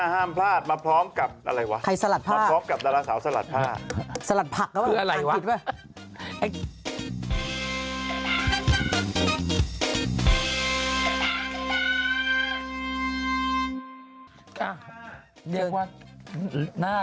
หมารร้า